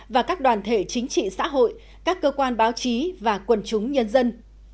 và các đoàn thể chính trị xã hội các cơ quan báo chí và quần chúng nhân dân